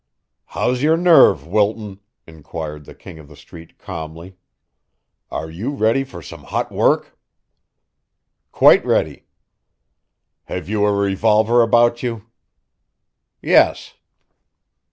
"How's your nerve, Wilton?" inquired the King of the Street calmly. "Are you ready for some hot work?" "Quite ready." "Have you a revolver about you?" "Yes."